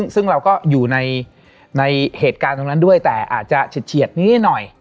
ซึ่งเราก็อยู่ในเหตุการณ์ตรงนั้นด้วยแต่อาจจะเฉียดนิดหน่อย